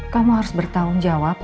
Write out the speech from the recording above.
kamu harus bertanggung jawab